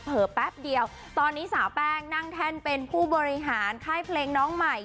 แป๊บเดียวตอนนี้สาวแป้งนั่งแท่นเป็นผู้บริหารค่ายเพลงน้องใหม่